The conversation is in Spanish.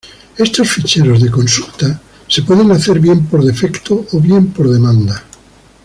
Estos ficheros de consulta se pueden hacer bien por defecto o bien por demanda.